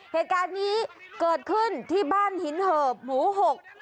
เหตุการณ์นี้เกิดขึ้นที่บ้านหินเหิบหมู่หก